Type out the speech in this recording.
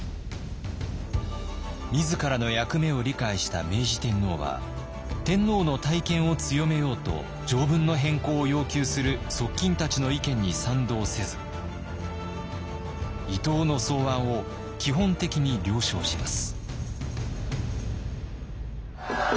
自らの役目を理解した明治天皇は天皇の大権を強めようと条文の変更を要求する側近たちの意見に賛同せず伊藤の草案を基本的に了承します。